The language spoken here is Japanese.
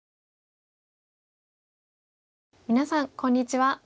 皆さんこんにちは。